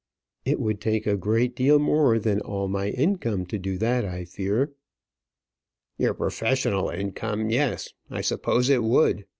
"It would take a great deal more than all my income to do that, I fear." "Your professional income; yes, I suppose it would.